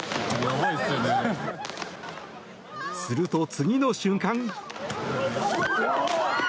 すると、次の瞬間。